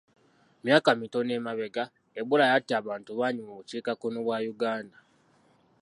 Myaka mitono emabega Ebola yatta abantu bangi mu bukiikakkono bwa Uganda.